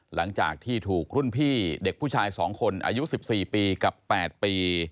หลังจากที่ถูกรุ่นพี่เด็กผู้ชาย๒คนอายุ๑๔ปีกับ๘ปี